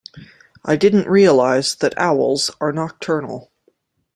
I didn't realise that owls are nocturnal.